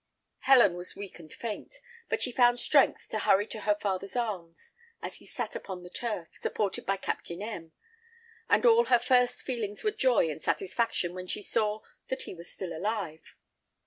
Helen was weak and faint, but she found strength, to hurry to her father's arms, as he sat upon the turf, supported by Captain M ; and all her first feelings were joy and satisfaction when she saw that he was still alive.